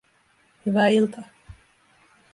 Hyvää iltaa